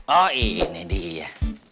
oh ini dia